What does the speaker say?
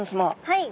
はい。